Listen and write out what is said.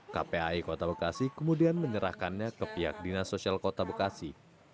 kpai kota bekasi kemudian menyerahkannya ke pihak dinas sosial kota bekasi